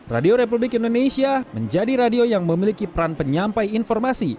radio republik indonesia menjadi radio yang memiliki peran penyampai informasi